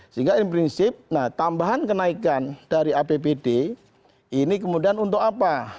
sehingga prinsip nah tambahan kenaikan dari apbd ini kemudian untuk apa